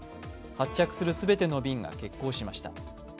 発着する全ての便が欠航しました。